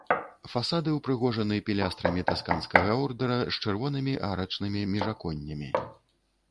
Фасады ўпрыгожаны пілястрамі тасканскага ордара з чырвонымі арачнымі міжаконнямі.